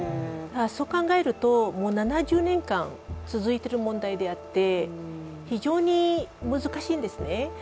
そう考えると、もう７０年間続いている問題で、非常に難しいんですね